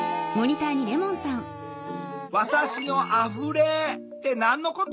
「わたしのあふれ」って何のこと？